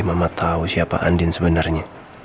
mama tau siapa andi sebenarnya